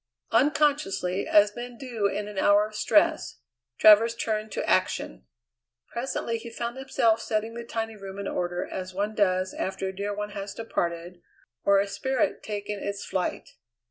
Unconsciously, as men do in an hour of stress, Travers turned to action. Presently he found himself setting the tiny room in order as one does after a dear one has departed, or a spirit taken its flight.